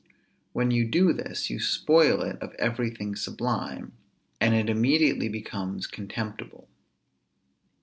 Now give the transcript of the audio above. When you do this, you spoil it of everything sublime, and it immediately becomes contemptible.